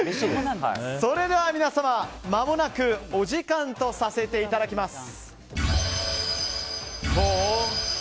それでは皆様、まもなくお時間とさせていただきます。